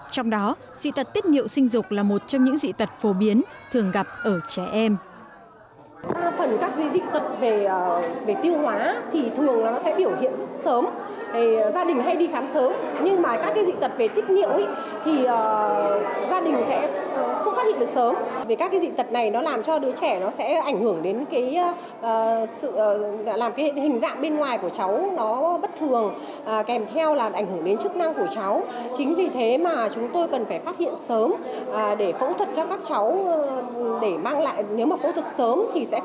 trong đó dị tật tiết nhiệu sinh dục là một trong những dị tật phổ biến thường gặp ở trẻ em